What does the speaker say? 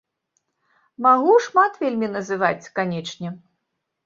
Магу шмат вельмі называць, канечне.